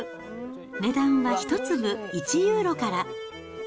値段は１粒１ユーロから。